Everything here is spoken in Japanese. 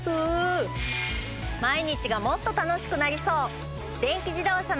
毎日がもっと楽しくなりそう！